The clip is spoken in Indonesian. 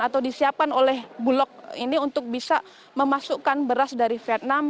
atau disiapkan oleh bulog ini untuk bisa memasukkan beras dari vietnam